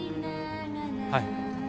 はい。